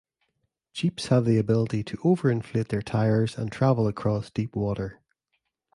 Jeeps have the ability to over-inflate their tires and travel across deep water.